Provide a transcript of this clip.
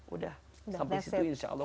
udah sampai situ insya allah